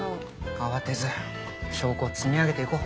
慌てず証拠を積み上げていこう。